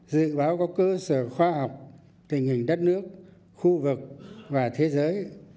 dự báo có cơ sở khoa học tình hình đất nước khu vực và thế giới